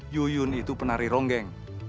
yuyun itu penari ronggeng